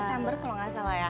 desember kalau nggak salah ya